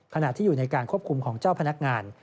ขณะที่อยู่ในการควบคุมของเจ้าพนักงาน